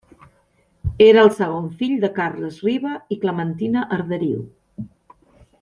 Era el segon fill de Carles Riba i Clementina Arderiu.